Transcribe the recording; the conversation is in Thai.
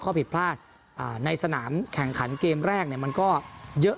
ข้อผิดพลาดในสนามแข่งขันเกมแรกมันก็เยอะ